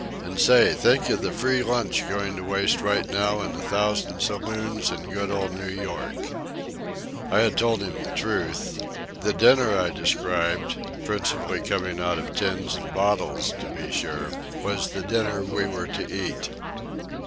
And, say, think of the free lunch going to waste right now in a thousand saloons in good old New York." I had told him the truth. The dinner I described (principally coming out of tins and bottles, to be sure) was the dinner we were to eat.